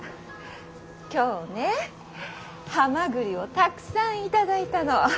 今日ねハマグリをたくさん頂いたの。